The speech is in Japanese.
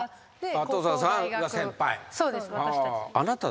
登坂さんが先輩。